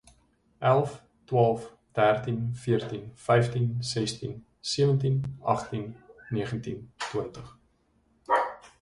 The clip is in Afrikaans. elf, twaalf, dertien, veertien, vyftien, sestien, sewentien, agttien, negentien, twintig